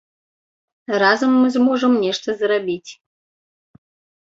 Разам мы зможам нешта зрабіць.